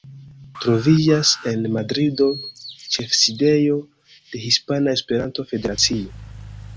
Troviĝas en Madrido ĉefsidejo de Hispana Esperanto-Federacio.